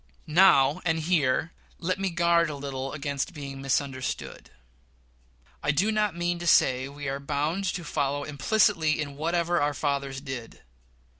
Now and here let me guard a little against being misunderstood. I do not mean to say we are bound to follow implicitly in whatever our fathers did.